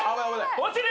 落ちる。